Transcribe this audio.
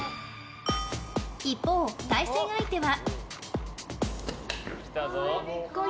一方、対戦相手は。